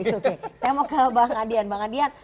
saya mau ke bang adian